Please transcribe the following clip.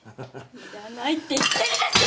いらないって言ってるでしょ！！